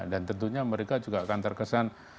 dan tentunya mereka juga akan terkesan